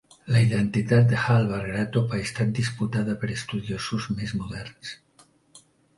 La identitat de Hallvard Graatop ha estat disputada per estudiosos més moderns.